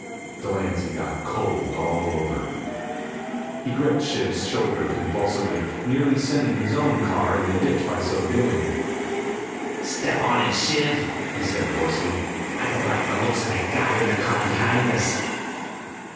Delancy got cold all over. He gripped Shiv's shoulder convulsively, nearly sending his own car into the ditch by so doing. "Step on it, Shiv," he said hoarsely. "I don't like the looks of that guy in the car behind us."